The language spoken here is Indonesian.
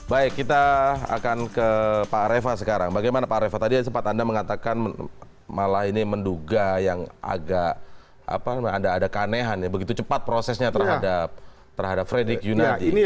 baik kita akan ke pak reva sekarang bagaimana pak reva tadi sempat anda mengatakan malah ini menduga yang agak ada keanehan ya begitu cepat prosesnya terhadap fredrik yunadi